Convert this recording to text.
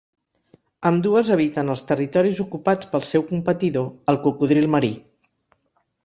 Ambdues eviten els territoris ocupats pel seu competidor, el cocodril marí.